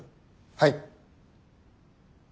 はい。